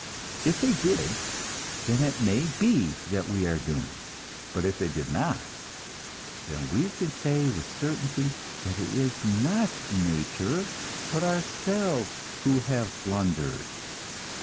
If they did, then it may be that we are doomed; but if they did not, then we can say with certainty that it is not nature, but ourselves, who have blundered.